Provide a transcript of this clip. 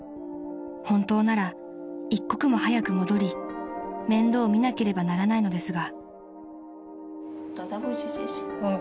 ［本当なら一刻も早く戻り面倒を見なければならないのですが］